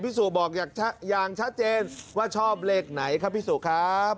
สุบอกอย่างชัดเจนว่าชอบเลขไหนครับพี่สุครับ